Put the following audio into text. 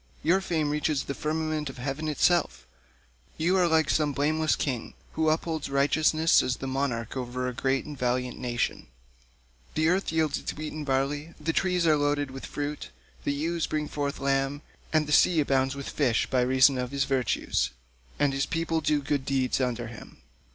Your fame reaches the firmament of heaven itself; you are like some blameless king, who upholds righteousness, as the monarch over a great and valiant nation: the earth yields its wheat and barley, the trees are loaded with fruit, the ewes bring forth lambs, and the sea abounds with fish by reason of his virtues, and his people do good deeds under him.